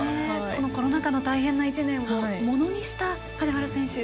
コロナ禍の大変な１年をものにした梶原選手